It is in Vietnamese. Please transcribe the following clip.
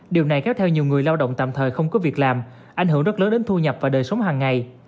điều này kéo theo nhiều người lao động tạm thời không có việc làm ảnh hưởng rất lớn đến thu nhập và đời sống hàng ngày